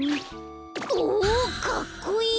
おかっこいい！